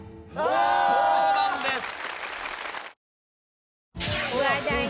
そうなんです。